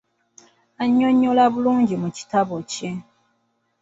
Annyonnyola bulungi mu kitabo kye.